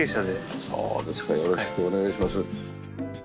よろしくお願いします。